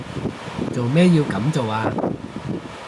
做咩要噉做啊？